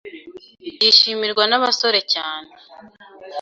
yishimirwa n’abasore cyane